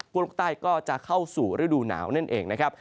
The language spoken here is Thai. พวกลูกใต้ก็จะเข้าสู่ฤดูหนาวนั่นเองนะครับ